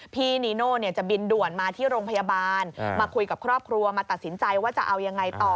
นีโน่จะบินด่วนมาที่โรงพยาบาลมาคุยกับครอบครัวมาตัดสินใจว่าจะเอายังไงต่อ